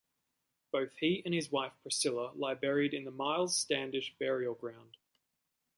Both he and his wife Priscilla lie buried in the Myles Standish Burial Ground.